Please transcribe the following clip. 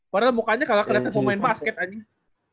padahal mukanya kagak keliatan mau main basket anjing